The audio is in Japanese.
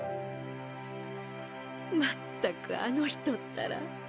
まったくあのひとったら。